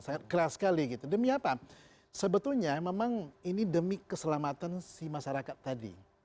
sangat keras sekali gitu demi apa sebetulnya memang ini demi keselamatan si masyarakat tadi